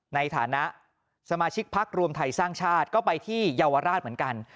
ในฐานะสมาชิกพักรวมไทยสร้างชาติก็ไปที่เยาวราชเหมือนกัน